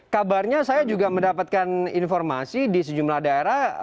kabarnya saya juga mendapatkan informasi di sejumlah daerah